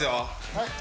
はい。